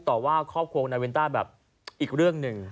ต่อว่าครอบครัวของนายวินต้าแบบอีกเรื่องหนึ่ง